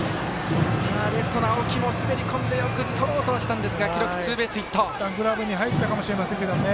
レフトの青木も滑り込んでとろうとしたんですがいったんグラブに入ったかもしれませんけどね。